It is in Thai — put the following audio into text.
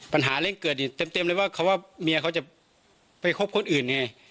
ปัญหาเรื่องเกิดนี่เต็มเลยว่าเขาว่าเมียเขาจะไปคบคนอื่นไง